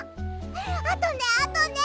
あとねあとね。